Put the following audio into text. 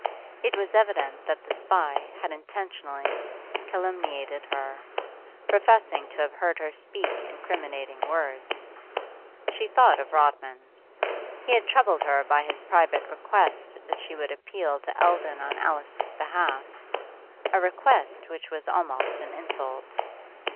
It was evident that the spy had intentionally calumniated her, professing to have heard her speak incriminating words. She thought of Rodman. He had troubled her by his private request that she would appeal to Eldon on Alice's behalf, a request which was almost an insult.